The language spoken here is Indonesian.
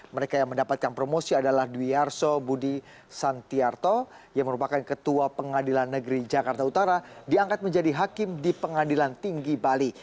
mereka yang mendapatkan promosi adalah dwi arso budi santiarto yang merupakan ketua pengadilan negeri jakarta utara diangkat menjadi hakim di pengadilan tinggi bali